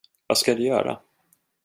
Vad ska du göra?